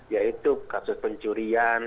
yaitu kasus pencurian